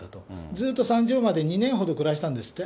ずっと３畳間で２年ほど暮らしたんですって。